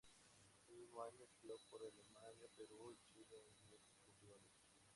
Ese mismo año giró por Alemania, Perú y Chile en diversos festivales.